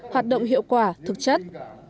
hoạt động hiệu quả thực chất